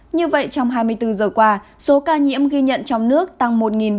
như vậy trong hai mươi bốn giờ qua số ca nhiễm ghi nhận trong nước tăng một bảy trăm linh năm